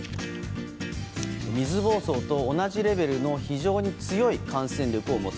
水ぼうそうと同じレベルの非常に強い感染力を持つ。